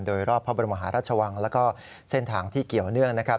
โดยรอบพระบรมหาราชวังแล้วก็เส้นทางที่เกี่ยวเนื่องนะครับ